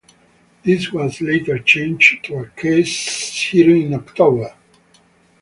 This was later changed to a case hearing in October.